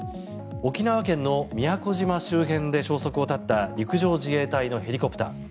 沖縄県の宮古島周辺で消息を絶った陸上自衛隊のヘリコプター。